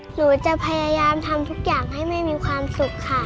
หนูจะพยายามทำทุกอย่างให้แม่มีความสุขค่ะ